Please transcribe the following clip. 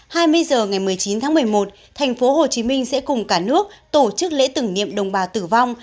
hai mươi h ngày một mươi chín tháng một mươi một thành phố hồ chí minh sẽ cùng cả nước tổ chức lễ tử nghiệm đồng bào tử vong